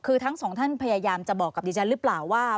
คือทั้งสองท่านพยายามจะบอกกับดิฉันหรือเปล่าว่า